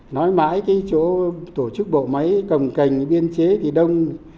nói mãi cái chỗ tổ chức bộ máy cầm cành biên chế thì đông